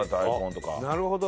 なるほど！